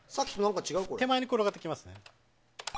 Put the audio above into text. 手前に転がってきますね。